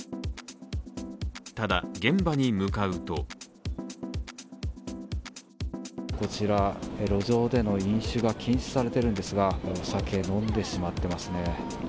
ただ、現場に向かうとこちら、路上での飲酒は禁止されているんですが、お酒、飲んでしまっていますね。